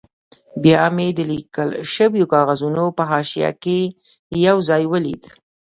بیا مې د لیکل شوو کاغذونو په حاشیه کې یو ځای ولید.